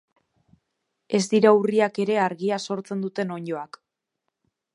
Ez dira urriak ere argia sortzen duten onddoak.